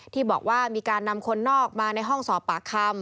ที่บอกว่ามีการนำคนนอกมาในห้องสอบปากคำ